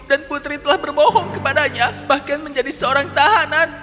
dan putri telah berbohong kepadanya bahkan menjadi seorang tahanan